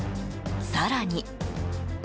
更に。